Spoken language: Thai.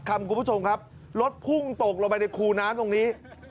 คุณผู้ชมครับรถพุ่งตกลงไปในคูน้ำตรงนี้